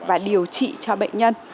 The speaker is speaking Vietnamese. và điều trị cho bệnh nhân